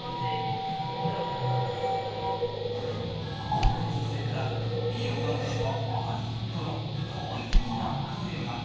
多くの女性から美容男子はありとの好意的な声が。